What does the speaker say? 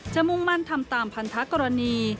มุ่งมั่นทำตามพันธกรณี